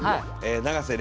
永瀬廉